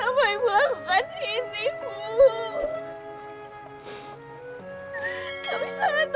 aku ingin menerima semuanya ayah